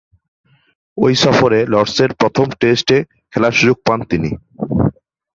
ঐ সফরে লর্ডসের প্রথম টেস্টে খেলার সুযোগ পান তিনি।